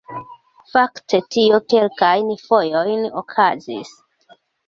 Fakte tio kelkajn fojojn okazis